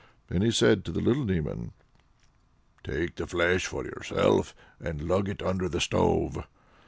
Then he said to the little demon: "Take the flesh for yourself, and lug it under the stove."